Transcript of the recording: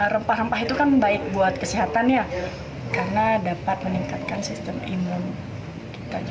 rempah rempah itu kan baik buat kesehatan ya karena dapat meningkatkan sistem imun kita